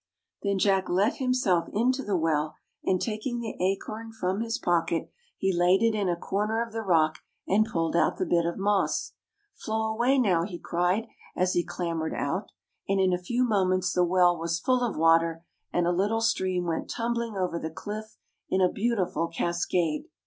Then Jack let himself into the well, and taking the Acorn from his pocket, he laid [ 115 ] FAVORITE FAIRY TALES RETOLD it in a corner of the rock, and pulled out the bit of moss. " Flow away, now," he cried, as he clam bered out; and in a few moments the well was full of water, and a little stream went tumbling over the cliff in a beautiful cas cade.